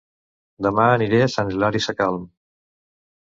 Dema aniré a Sant Hilari Sacalm